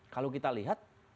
kalau kita lihat